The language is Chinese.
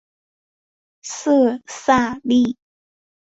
色萨利。